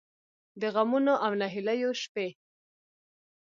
د غمـونـو او نهـيليو شـپې